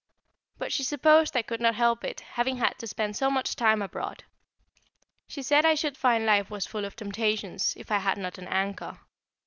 But she supposed I could not help it, having had to spend so much time abroad. She said I should find life was full of temptations, if I had not an anchor.